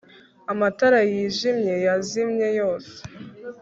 Amatara yijimye yazimye yose